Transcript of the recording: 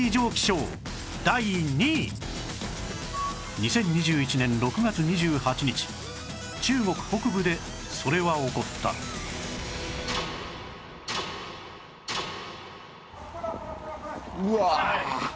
２０２１年６月２８日中国北部でそれは起こったうわ！